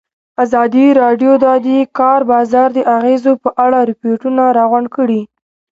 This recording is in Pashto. ازادي راډیو د د کار بازار د اغېزو په اړه ریپوټونه راغونډ کړي.